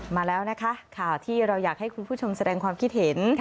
มาแล้วนะคะข่าวที่เราอยากให้คุณผู้ชมแสดงความคิดเห็น